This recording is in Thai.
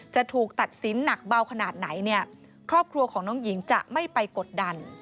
จะถูกตัดสินหนักเบาขนาดไหนเนี่ยครอบครัวของน้องหญิงจะไม่ไปกดดัน